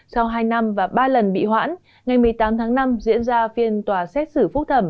sau hai năm và ba lần bị hoãn ngày một mươi tám tháng năm diễn ra phiên tòa xét xử phúc thẩm